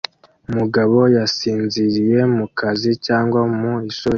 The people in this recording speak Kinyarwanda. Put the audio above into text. Umugabo yasinziriye mu kazi cyangwa mu ishuri